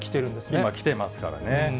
今きてますからね。